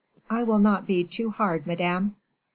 "I will not be too hard, madame."